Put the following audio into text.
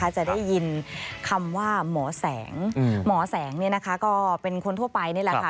จะได้ยินคำว่าหมอแสงหมอแสงก็เป็นคนทั่วไปนี่แหละค่ะ